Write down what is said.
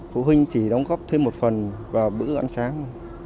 phụ huynh chỉ đóng góp thêm một phần vào bữa ăn sáng